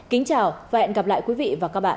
kính chào và hẹn gặp lại quý vị và các bạn